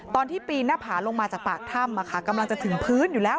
ตอนที่ปีนหน้าผาลงมาจากปากถ้ำกำลังจะถึงพื้นอยู่แล้ว